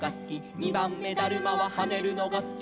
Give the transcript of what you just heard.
「にばんめだるまははねるのがすき」